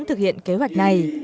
thực hiện kế hoạch này